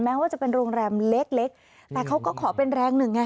ว่าจะเป็นโรงแรมเล็กเล็กแต่เขาก็ขอเป็นแรงหนึ่งไง